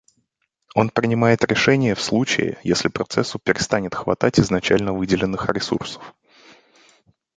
Он принимает решение в случае если процессу перестанет хватать изначально выделенных ресурсов